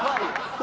何？